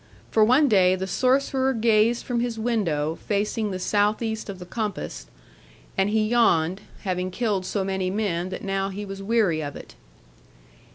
For one day the sorcerer gazed from his window facing the southeast of the compass, and he yawned, having killed so many men that now he was weary of it.